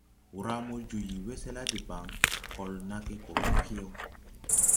Wramo jo yii wɛsɛ la debaŋ, kɔl nage gɔ ɓi pyɛw.